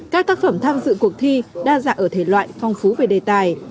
các tác phẩm tham dự cuộc thi đa dạng ở thể loại phong phú về đề tài